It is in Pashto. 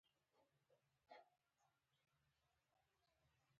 د خواږه خوب خوند د آرام احساس ورکوي.